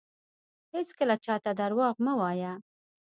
هیڅکله چاته درواغ مه وایه